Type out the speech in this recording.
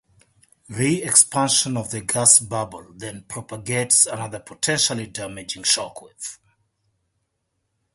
Re-expansion of the gas bubble then propagates another potentially damaging shock wave.